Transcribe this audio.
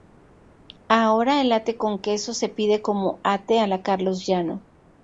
Ahora el ate con queso se pide como Ate a la Carlos Llano.